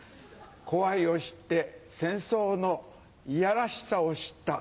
怖いを知って戦争のいやらしさを知った。